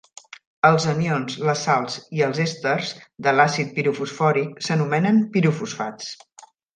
Els anions, les sals i els èsters de l'àcid pirofosfòric s'anomenen pirofosfats.